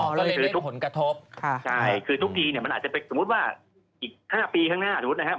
ก็คือทุกผลกระทบใช่คือทุกทีเนี่ยมันอาจจะไปสมมุติว่าอีก๕ปีข้างหน้าสมมุตินะครับ